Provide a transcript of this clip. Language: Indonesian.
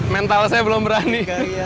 mental saya belum berani